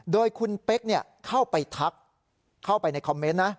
โดยคุณเป๊กเข้าไปทักเข้าไปในคอมเมนต์นะ